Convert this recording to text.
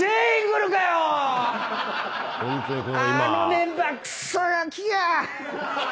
あのメンバークソガキが！